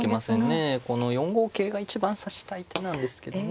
この４五桂が一番指したい手なんですけどね。